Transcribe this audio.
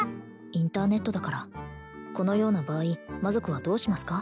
インターネットだからこのような場合魔族はどうしますか？